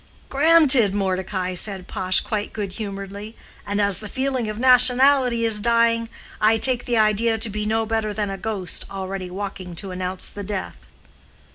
"Granted, Mordecai," said Pash, quite good humoredly. "And as the feeling of nationality is dying, I take the idea to be no better than a ghost, already walking to announce the death."